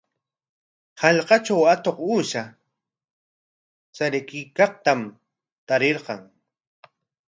Hallqatraw atuq uusha chariykaqtam tarirqan.